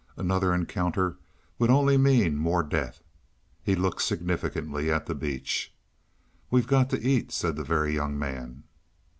Another encounter would only mean more death." He looked significantly at the beach. "We've got to eat," said the Very Young Man.